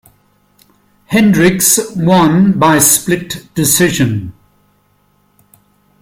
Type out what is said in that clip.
Hendricks won by split decision.